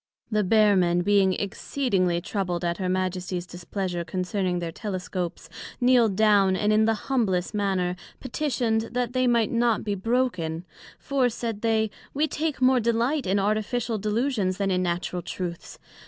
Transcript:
The Bear men being exceedingly troubled at her Majesties displeasure concerning their Telescopes, kneel'd down, and in the humblest manner petitioned, that they might not be broken; for, said they, we take more delight in Artificial delusions, then in Natural truths.